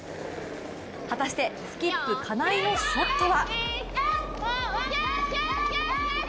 果たして、スキップ・金井のショットは？